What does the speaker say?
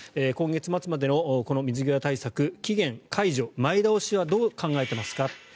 今月末までの水際対策期限、解除前倒しはどう考えていますか。